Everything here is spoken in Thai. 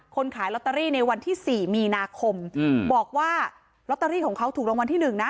ขายลอตเตอรี่ในวันที่๔มีนาคมบอกว่าลอตเตอรี่ของเขาถูกรางวัลที่หนึ่งนะ